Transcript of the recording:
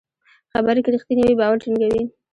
خبرې که رښتینې وي، باور ټینګوي.